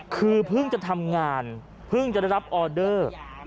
คือเพิ่งจะทำงานเพิ่งจะได้รับออเดอร์